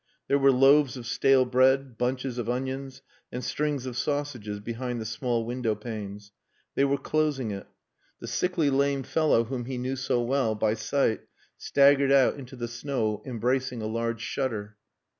There were loaves of stale bread, bunches of onions and strings of sausages behind the small window panes. They were closing it. The sickly lame fellow whom he knew so well by sight staggered out into the snow embracing a large shutter.